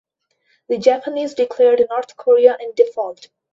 The Japanese declared North Korea in default.